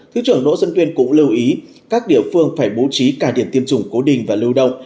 thứ trưởng đỗ xuân tuyên cũng lưu ý các địa phương phải bố trí cả điểm tiêm chủng cố định và lưu động